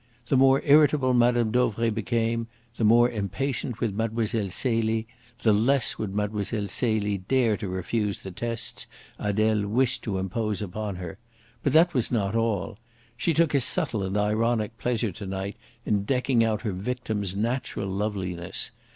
The more irritable Mme. Dauvray became, the more impatient with Mlle. Celie, the less would Mlle. Celie dare to refuse the tests Adele wished to impose upon her. But that was not all. She took a subtle and ironic pleasure to night in decking out her victim's natural loveliness.